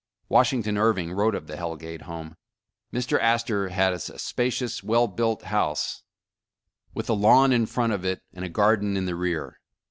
Washington Irving wrote of the Hell Gate home :— *'Mr. Astor has a spacious, well built house, with a lawn 270 Homes and Neighbors in front of it, and a garden in the rear.